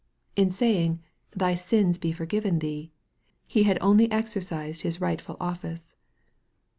In saying, " thy sins be forgiven thee," He had only exercised His rightful office.